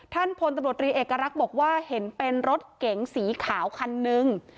พลตำรวจรีเอกลักษณ์บอกว่าเห็นเป็นรถเก๋งสีขาวคันนึง